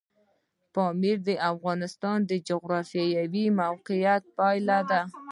پامیر د افغانستان د جغرافیایي موقیعت پایله ده.